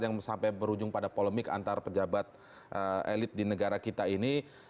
yang sampai berujung pada polemik antar pejabat elit di negara kita ini